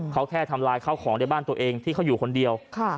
เขาแค่ทำลายข้าวของในบ้านตัวเองที่เขาอยู่คนเดียว